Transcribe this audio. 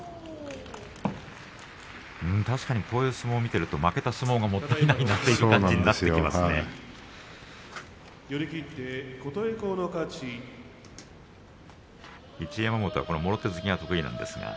確かにこういう相撲を見ていると負けた相撲がもったいないなとそうなんですよ。